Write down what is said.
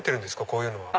こういうのは。